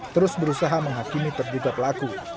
terus berusaha menghakimi terduga pelaku